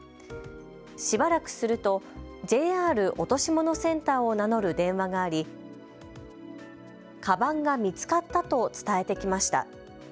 しばらくするとＪＲ落とし物センターを名乗る電話がありかばんが見つかったと伝えてきました。